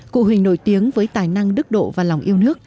cụ huỳnh nổi tiếng với tài năng đức độ và lòng yêu nước